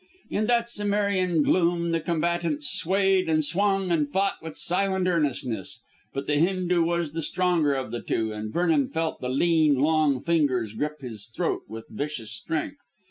In that Cimmerian gloom the combatants swayed and swung and fought with silent earnestness. But the Hindoo was the stronger of the two, and Vernon felt the lean, long fingers grip his throat with vicious strength.